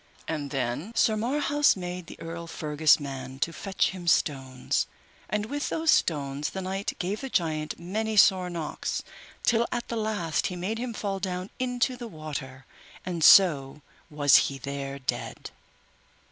And then Sir Marhaus made the Earl Fergus' man to fetch him stones, and with those stones the knight gave the giant many sore knocks, till at the last he made him fall down into the water, and so was he there dead.